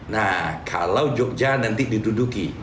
nah kalau jogja nanti dituduki